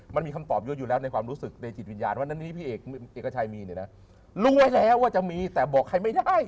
มันมีคำตอบเยอะอยู่แล้วในความรู้สึกในจิตวิญญาณว่านั้นที่พี่เอกชัยมีเนี่ยนะรู้ไว้แล้วว่าจะมีแต่บอกใครไม่ได้